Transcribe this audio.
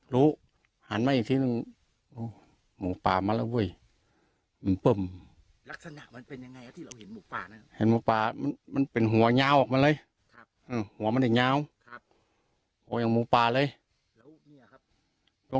รู้หาไม่เครื่องหมูปลามาแล้วเว้ยอุ้มต้มทีหัวมันดอกมาเลยออกรึยังหมูปลาเลย